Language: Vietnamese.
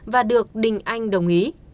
và được đình anh đồng ý